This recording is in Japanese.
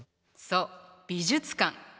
そう美術館。